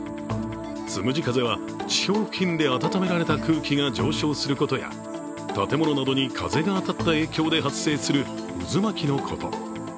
つむじ風は地表付近で温められた空気が上昇することや建物などに風が当たった影響で発生する渦巻きのこと。